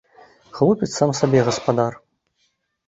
Хлопец сам сабе гаспадар.